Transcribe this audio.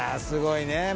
すごいな。